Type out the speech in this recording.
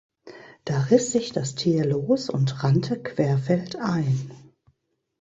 Da riss sich das Tier los und rannte querfeldein.